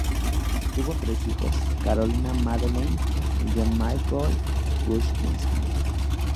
Tuvo tres hijos: Carolina Madeleine, y John-Michael Kuczynski.